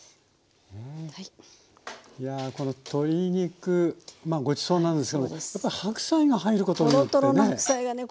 いやこの鶏肉ごちそうなんですけどもやっぱり白菜が入ることによってね。